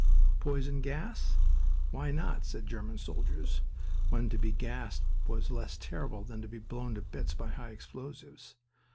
Poison gas? Why not, said German soldiers, when to be gassed was less terrible than to be blown to bits by high explosives?